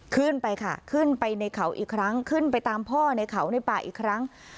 ขึ้นไปค่ะขึ้นไปในเขาอีกครั้งขึ้นไปตามพ่อในเขาในป่าอีกครั้ง